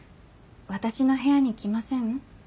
私の部屋に来ません？